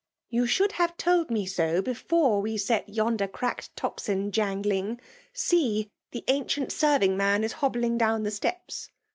'* Yon should have told me so before we set yonder cracked tocsin jangling. See !— ^the ancient serving man is hobbling down the st^ps.